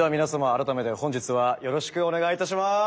改めて本日はよろしくお願いいたします！